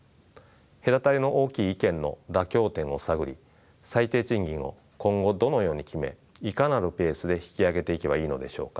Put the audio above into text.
隔たりの大きい意見の妥協点を探り最低賃金を今後どのように決めいかなるペースで引き上げていけばいいのでしょうか。